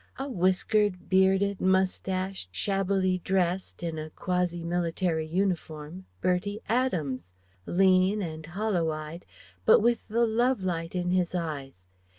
A whiskered, bearded, moustached, shabbily dressed (in a quasi military uniform) Bertie Adams: lean, and hollow eyed, but with the love light in his eyes.